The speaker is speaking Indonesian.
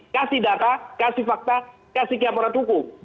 kasih data kasih fakta kasih ke aparat hukum